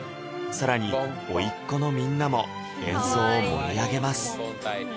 更に甥っ子のみんなも演奏を盛り上げます